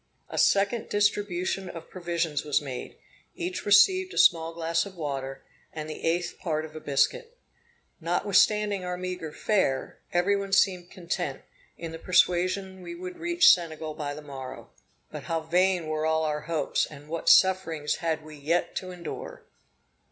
A second distribution of provisions was made; each received a small glass of water, and the eighth part of a biscuit. Notwithstanding our meagre fare, every one seemed content, in the persuasion we would reach Senegal by the morrow. But how vain were all our hopes, and what sufferings had we yet to endure!